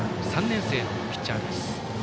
３年生のピッチャーです。